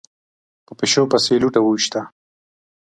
په پيشو پسې يې لوټه وويشته.